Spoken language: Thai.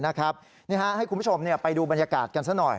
นี่ให้คุณผู้ชมไปดูบรรยากาศกันซะหน่อย